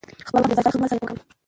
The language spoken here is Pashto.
خپل وخت په بې ځایه خبرو مه ضایع کوئ.